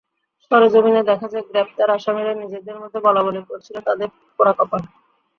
সরেজমিন দেখা যায়, গ্রেপ্তার আসামিরা নিজেদের মধ্যে বলাবলি করছিলেন, তাঁদের পোড়া কোপাল।